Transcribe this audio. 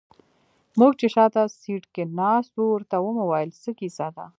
موږ چې شاته سيټ کې ناست وو ورته ومو ويل څه کيسه ده.